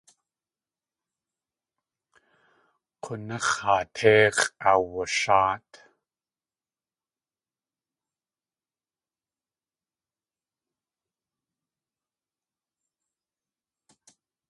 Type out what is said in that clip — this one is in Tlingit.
K̲únáx̲ haa téix̲ʼ aawasháat.